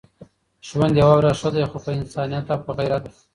ژوند يوه ورځ ښه دی خو په انسانيت او په غيرت.